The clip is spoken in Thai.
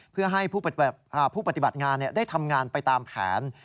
เพื่อให้ผู้ปฏิบัติงานได้ทำงานไปตามแผน